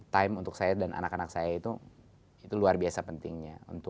time untuk saya dan anak anak saya itu luar biasa pentingnya